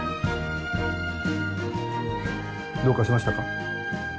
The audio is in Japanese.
どうかしましたか？